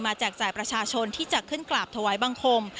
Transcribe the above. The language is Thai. แจกจ่ายประชาชนที่จะขึ้นกราบถวายบังคม